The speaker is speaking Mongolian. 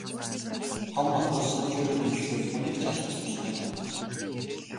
Том матар сүүлээрээ дэлсээд хүнийг ч алах чадалтай гэнэ.